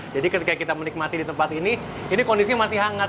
jadi ketika kita menikmati di tempat ini ini kondisinya masih hangat